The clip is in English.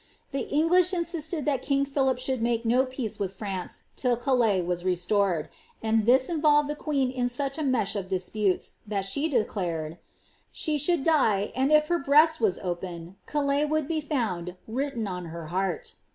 The English insisted that king Philip should make no peace with France till Calais was restored ; and this involved the queen in such a mesh of disputes, that she declared, ^ she should die, and, if her breast was opened, Calais would be found written on her heart."